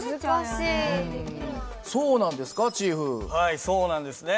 はいそうなんですね。